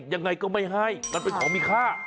ยังไงก็ไม่ให้มันเป็นของมีค่า